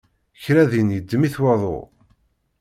Kra din yeddem-it waḍu.